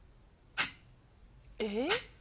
えっ？